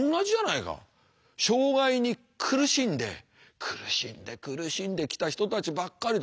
障害に苦しんで苦しんで苦しんできた人たちばっかりだ。